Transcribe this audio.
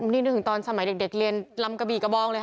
นี่นึกถึงตอนสมัยเด็กเรียนลำกะบี่กระบองเลยค่ะ